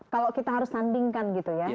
kalau kita harus sandingkan gitu ya